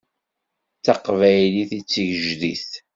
D taqbaylit i d tigejdit.